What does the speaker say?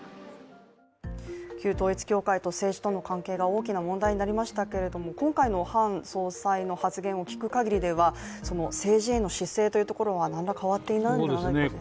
旧統一教会と政治との関係が大きな問題になりましたけど今回のハン総裁の発言を聞くかぎりでは政治への姿勢というところは、何ら変わっていないのかなと思いますね。